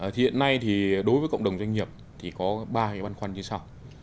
thì hiện nay thì đối với cộng đồng doanh nghiệp thì có ba cái băn khoăn như sau